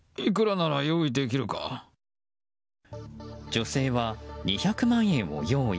女性は、２００万円を用意。